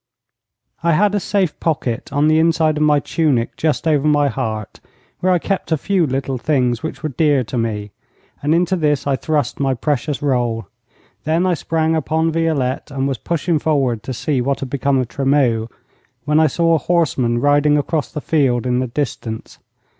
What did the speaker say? I had a safe pocket on the inside of my tunic just over my heart, where I kept a few little things which were dear to me, and into this I thrust my precious roll. Then I sprang upon Violette, and was pushing forward to see what had become of Tremeau, when I saw a horseman riding across the field in the distance.